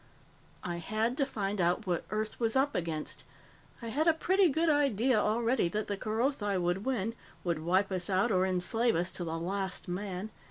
"I had to find out what Earth was up against. I had a pretty good idea already that the Kerothi would win would wipe us out or enslave us to the last man.